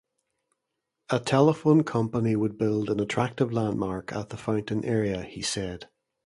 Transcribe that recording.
A telephone company would build "an attractive landmark" at the fountain area, he said.